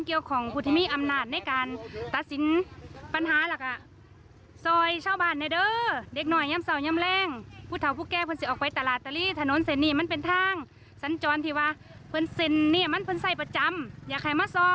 เดี๋ยวฟังความเดือดร้อนของชาวบ้านกันหน่อยนะคะ